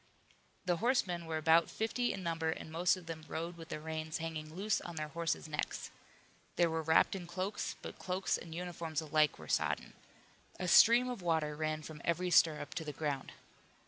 The horsemen were about fifty in number and most of them rode with the reins hanging loose on their horses' necks. They were wrapped in cloaks, but cloaks and uniforms alike were sodden. A stream of water ran from every stirrup to the ground.